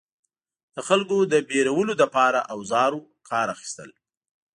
د خلکو د ویرولو لپاره اوزارو کار اخیستل.